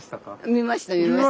見ました。